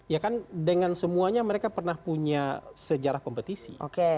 ya kan dengan semuanya mereka pernah punya sejarah kompetisi